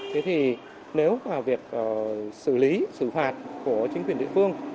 thế thì nếu mà việc xử lý xử phạt của chính quyền địa phương